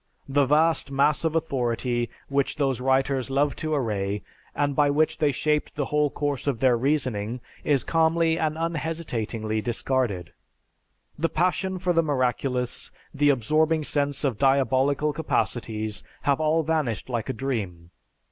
The vast mass of authority which those writers loved to array, and by which they shaped the whole course of their reasoning, is calmly and unhesitatingly discarded. The passion for the miraculous, the absorbing sense of diabolical capacities, have all vanished like a dream.